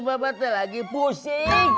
bapak itu lagi pusing